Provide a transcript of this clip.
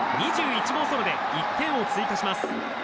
２１号ソロで１点を追加します。